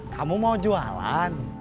kamu mau jualan